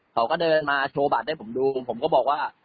เขาก็เดินมาโชว์บัตรให้ผมดูผมก็บอกว่า